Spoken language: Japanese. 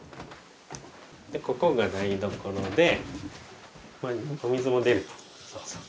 でここが台所でお水も出るよ。